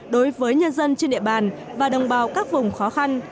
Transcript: đối với nhân dân trên địa bàn và đồng bào các vùng khó khăn